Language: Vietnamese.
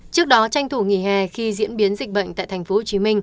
trước đó tranh thủ nghỉ hè khi diễn biến dịch bệnh tại tp hcm